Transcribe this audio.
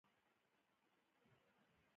په دې طبي مسایلو کې زه تر تا ډېر معلومات لرم.